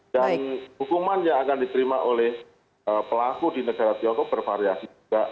dan hukuman yang akan diperima oleh pelaku di negara tiongkok bervariasi juga